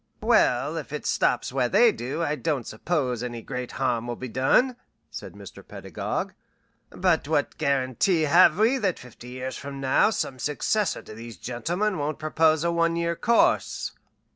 "Well, if it stops where they do I don't suppose any great harm will be done," said Mr. Pedagog. "But what guarantee have we that fifty years from now some successor to these gentlemen won't propose a one year course?"